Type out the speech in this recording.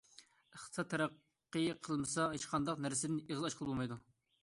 ئىقتىساد تەرەققىي قىلمىسا، ھېچقانداق نەرسىدىن ئېغىز ئاچقىلى بولمايدۇ.